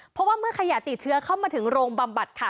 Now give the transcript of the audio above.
เพราะว่าเมื่อขยะติดเชื้อเข้ามาถึงโรงบำบัดค่ะ